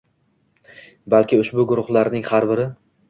balki ushbu guruhlarning har biri